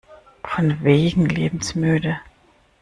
Von wegen lebensmüde!